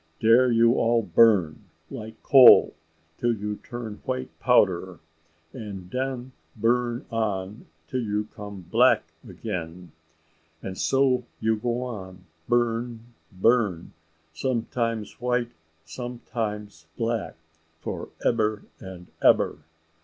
Dere you all burn, like coal, till you turn white powder, and den burn on till you come black again: and so you go on, burn, burn, sometime white, sometime black, for ebber and ebber.